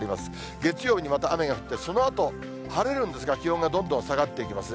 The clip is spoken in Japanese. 月曜日にまた雨が降って、そのあと晴れるんですが、気温がどんどん下がっていきますね。